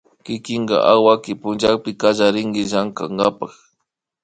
kikinka awaki pullapi kallarinki llankakapak